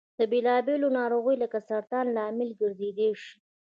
د بېلا بېلو نارغیو لکه سرطان لامل ګرځيدای شي.